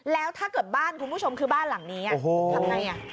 แล้วถ้าเกิดบ้านคุณผู้ชมคือบ้านหลังนี้ทำไง